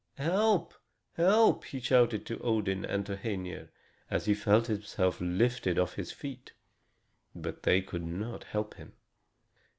"Help, help!" he shouted to Odin and to Hœnir, as he felt himself lifted off his feet. But they could not help him.